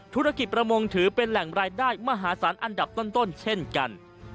ธุรกิจประมงถือเป็นแหล่งรายได้มหาศาลอันดับต้นเช่นกัน